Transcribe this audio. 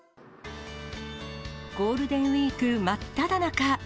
ゴールデンウィーク真っただ中。